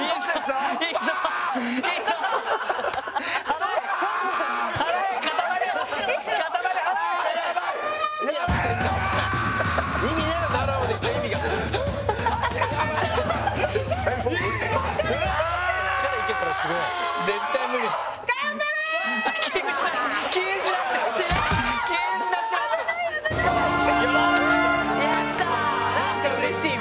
なんかうれしいわ！」